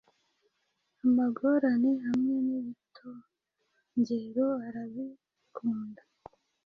amagorane hamwe n’ibitongero arabikunda